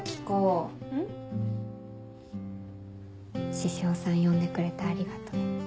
獅子王さん呼んでくれてありがとね。